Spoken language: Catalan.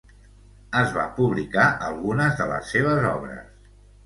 Es van publicar algunes de les seves obres.